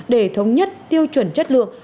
để thống nhất tiêu chuẩn chất lượng